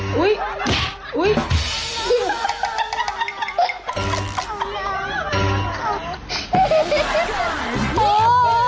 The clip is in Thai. กลับไป